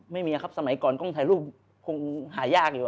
ไม่มีครับสมัยก่อนกล้องถ่ายรูปคงหายากอยู่